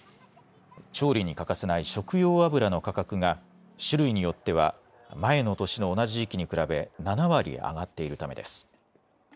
調理に欠かせない食用油の価格が種類によっては前の年の同じ時期に比べ７割上がっているためです。